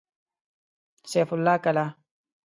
سيف الله کلا